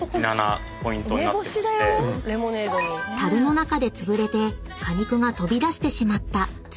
［たるの中でつぶれて果肉が飛び出してしまったつぶれ梅］